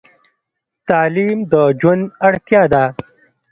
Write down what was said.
تعلیم د ژوند اړتیا ده.